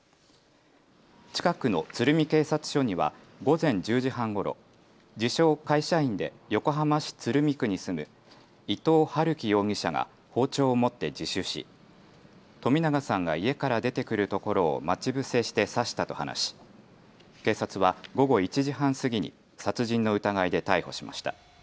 近くの鶴見警察署には午前１０時半ごろ自称、会社員で横浜市鶴見区に住む伊藤龍稀容疑者が包丁を持って自首し冨永さんが家から出てくるところを待ち伏せして刺したと話し警察は午後１時半過ぎに殺人の疑いで逮捕しました。